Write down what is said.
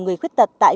người khuyết tật